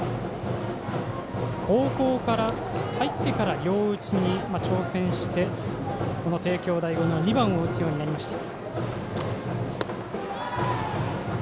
高校に入ってから両打ちに挑戦してこの帝京第五の２番を打つようになりました。